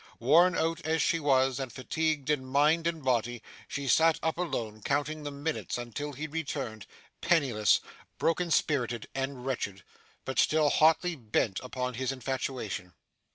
Worn out as she was, and fatigued in mind and body, she sat up alone, counting the minutes, until he returned penniless, broken spirited, and wretched, but still hotly bent upon his infatuation.